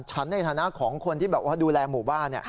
ฉันในฐานะของคนที่ดูแลหมู่บ้าน